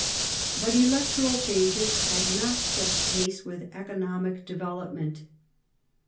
J But electoral changes had not kept pace with economic develop onent.